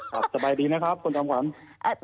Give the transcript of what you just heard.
สบายดีนะครับคุณจอมขวัญ